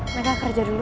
mereka kerja dulu